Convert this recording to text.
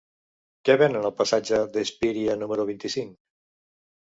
Què venen al passatge d'Espíria número vint-i-cinc?